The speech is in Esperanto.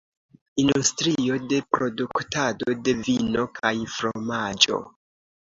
Industrio de produktado de vino kaj fromaĝo.